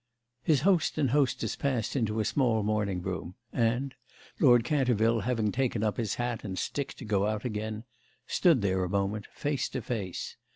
His host and hostess passed into a small morning room and—Lord Canterville having taken up his hat and stick to go out again—stood there a moment, face to face.